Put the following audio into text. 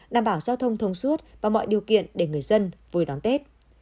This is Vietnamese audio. đảm bảo giao thông thông suốt và mọi điều kiện để người dân vui đón tết